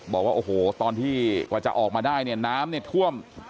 บอกว่าโอ้โหตอนที่กว่าจะออกมาได้เนี่ยน้ำเนี่ยท่วม